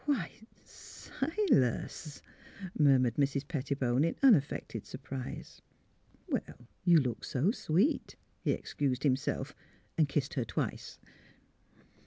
'^ Why — why, Silas!" murmured Mrs. Petti bone, in unaffected surprise. *' You looked so sweet," he excused himself; and kissed her twice.